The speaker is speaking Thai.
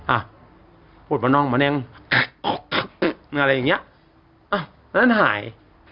อ่ะพูดมาน่องมานั่งอะไรอย่างเงี้ยอ่ะแล้วมันหาย